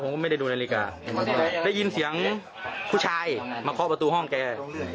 ไม่ได้ดูนาฬิกาได้ยินเสียงผู้ชายมาเคาะประตูห้องแก